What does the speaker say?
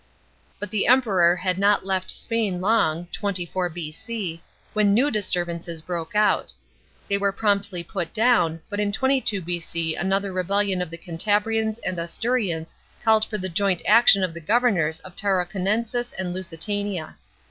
But the Emperor had not left Spain long (24 B.O.)> when new disturbances broke out.f They were promptly put down, but in 22 B.O. another rebellion of the Cantabrians and Asturians called for the joint action of the governors of Tarraconensis and Lusitania.